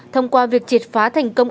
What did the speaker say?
thông qua việc triệt phá thành công